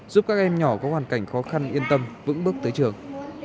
giúp các em nhỏ có hoàn cảnh khó khăn yên tâm vững bước tới trường